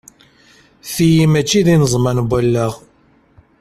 Tiyi mačči d ineẓman n wallaɣ.